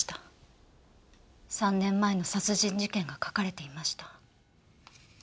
３年前の殺人事件が書かれていました。